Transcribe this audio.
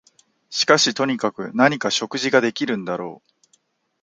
しかしとにかく何か食事ができるんだろう